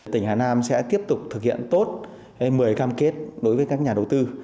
tỉnh hà nam sẽ tiếp tục thực hiện tốt một mươi cam kết đối với các nhà đầu tư